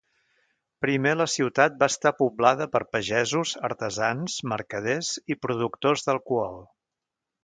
Primer, la ciutat va estar poblada per pagesos, artesans, mercaders i productors d'alcohol.